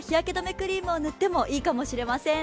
クリームを塗ってもいいかもしれません。